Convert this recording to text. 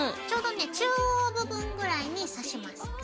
ちょうどね中央部分ぐらいに刺します。